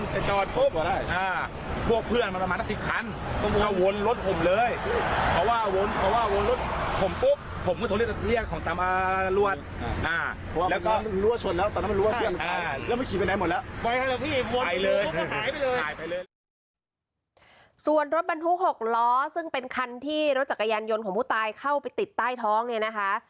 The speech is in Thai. ส่วนรถบรรทุก๖ล้อซึ่งเป็นคันที่รถจักรยานยนต์ของผู้ตายเข้าไปติดใต้ท้องเนี่ยนะคะ